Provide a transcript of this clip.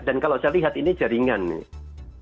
dan kalau saya lihat ini jaringan nih